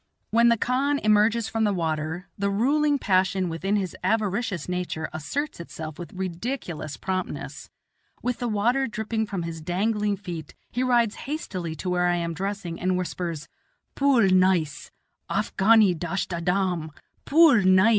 When the khan emerges from the water, the ruling passion within his avaricious nature asserts itself with ridiculous promptness. With the water dripping from his dangling feet, he rides hastily to where I am dressing and whispers, "Pool neis; Afghani dasht adam, pool neis."